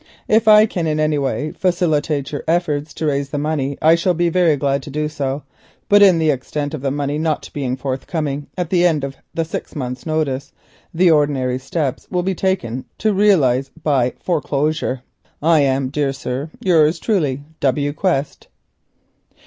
If I can in any way facilitate your efforts to raise the sum I shall be very glad. But in the event of the money not being forthcoming at the end of six months' notice the ordinary steps will be taken to realise by foreclosure. "I am, dear sir, yours truly, "W. Quest.